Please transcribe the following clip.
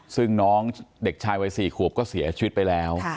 ซึ่งน้องเด็กชายวัย๔ขวบก็เสียชีวิตไปแล้ว